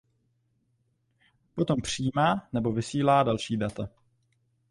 Potom přijímá nebo vysílá další data.